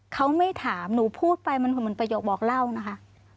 เขาไม่ถามหนูพูดไปมันเหมือนประโยคบอกเล่านะคะ